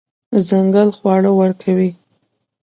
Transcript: ځنګل خواړه ورکوي.